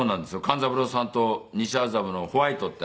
勘三郎さんと西麻布のホワイトって。